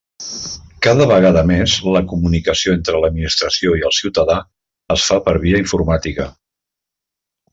Cada vegada més, la comunicació entre l'administració i el ciutadà es fa per via informàtica.